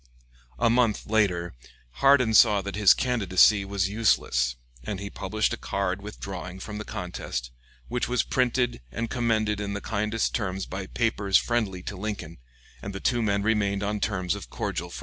A month later Hardin saw that his candidacy was useless, and he published a card withdrawing from the contest, which was printed and commended in the kindest terms by papers friendly to Lincoln, and the two men remained on terms of cordial friendship.